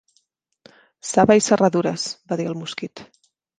"Saba i serradures", va dir el mosquit.